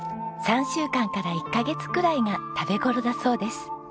３週間から１カ月くらいが食べ頃だそうです。